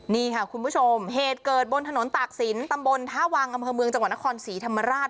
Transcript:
นี่ค่ะคุณผู้ชมเหตุเกิดบนถนนตากศิลปตำบลท่าวังอำเภอเมืองจังหวัดนครศรีธรรมราช